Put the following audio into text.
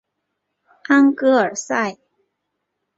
安戈尔桑。